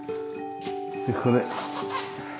これ。